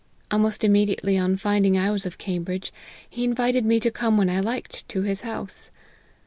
Almost immediately on find ing I was of Cambridge, he invited me to come when I liked to his house.